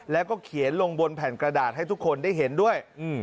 แล้วก็เขียนลงบนแผ่นกระดาษให้ทุกคนได้เห็นด้วย